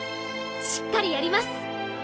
しっかりやります。